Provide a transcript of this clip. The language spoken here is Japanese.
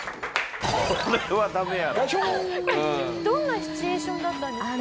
どんなシチュエーションだったんですか？